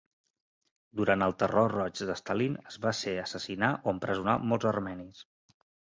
Durant el Terror Roig de Stalin, es va ser assassinar o empresonar molts armenis.